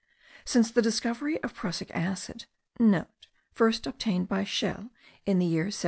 Since the discovery of prussic acid,* (* First obtained by Scheele in the year 1782.